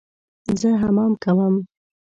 زه حمام کوم